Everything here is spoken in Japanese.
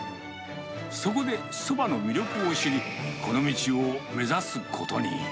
そこで、そばの魅力を知り、この道を目指すことに。